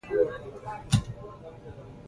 الوتکه د نړیوالو مرستو انتقال کوي.